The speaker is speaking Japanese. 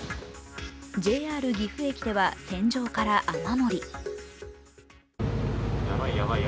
ＪＲ岐阜駅では天井から雨漏り。